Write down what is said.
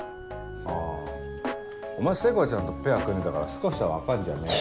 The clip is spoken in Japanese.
あぁお前聖子ちゃんとペア組んでたから少しは分かんじゃねえの？